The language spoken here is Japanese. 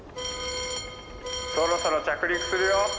「そろそろ着陸するよ」。